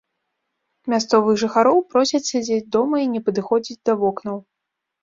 Мясцовых жыхароў просяць сядзець дома і не падыходзіць да вокнаў.